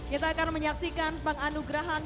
kita akan menyaksikan penganugerahan